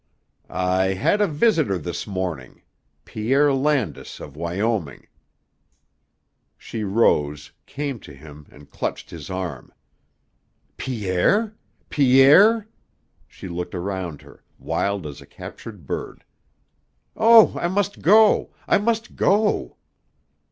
"I had a visitor this morning Pierre Landis, of Wyoming." She rose, came to him, and clutched his arm. "Pierre? Pierre?" She looked around her, wild as a captured bird. "Oh, I must go! I must go!"